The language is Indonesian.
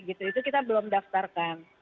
itu kita belum daftarkan